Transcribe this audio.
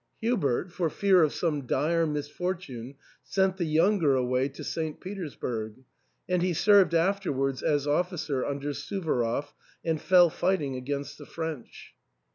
Hubert, for fear of some dire misfortune, sent the younger away to St. Petersburg ; and he served after wards as officer under Suwaroff, and fell fighting against the French.